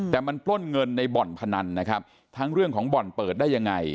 แต่มันปล้นเงินในบ่อนพนันนะครับทั้งเรื่องของบ่อนเปิดได้ยังไง